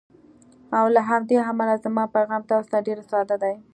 او له همدې امله زما پیغام تاسو ته ډېر ساده دی: